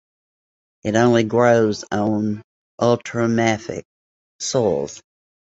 It only grows on ultramafic soils.